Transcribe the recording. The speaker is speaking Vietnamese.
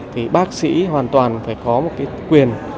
thì bác sĩ hoàn toàn phải có một quyền